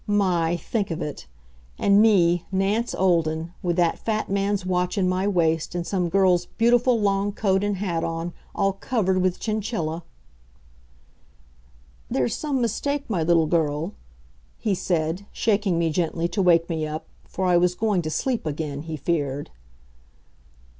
My, think of it! And me, Nance Olden, with that fat man's watch in my waist and some girl's beautiful long coat and hat on, all covered with chinchilla! "There's some mistake, my little girl," he said, shaking me gently to wake me up, for I was going to sleep again, he feared.